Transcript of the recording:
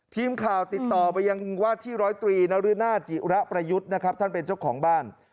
ทีมข่าวติดต่อไปยังว่าที่ร้อยตรีนรินาจิระประยุทธ์นะครับท่านเป็นเจ้าของบ้าน